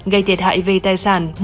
gây thiệt hại về tài sản